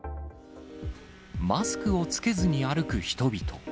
マスクを着けずに歩く人々。